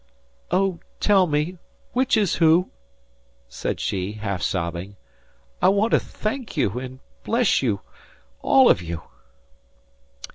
"Oh, tell me, which is who?" said she, half sobbing. "I want to thank you and bless you all of you."